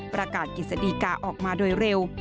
ประกาศกิจสดีกาออกมาโดยเร็ว